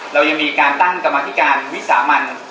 เรายังมีการตั้งกรรมธิการวิสามัน